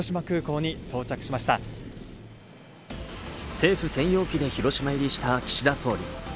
政府専用機で広島入りした岸田総理。